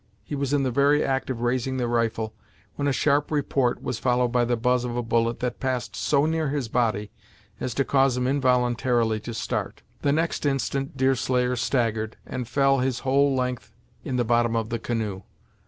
He was in the very act of raising the rifle, when a sharp report was followed by the buzz of a bullet that passed so near his body as to cause him involuntarily to start. The next instant Deerslayer staggered, and fell his whole length in the bottom of the canoe.